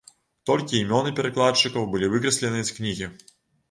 Толькі імёны перакладчыкаў былі выкрасленыя з кнігі.